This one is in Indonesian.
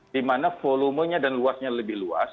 dimana volumenya dan luasnya lebih luas